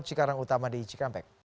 sekarang utama di cikampek